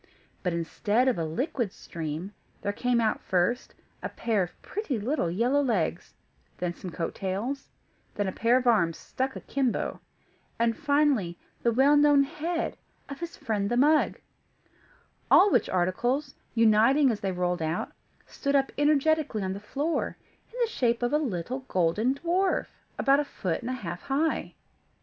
But instead of a liquid stream, there came out, first, a pair of pretty little yellow legs, then some coat tails, then a pair of arms stuck akimbo, and, finally, the well known head of his friend the mug; all which articles, uniting as they rolled out, stood up energetically on the floor, in the shape of a little golden dwarf, about a foot and a half high.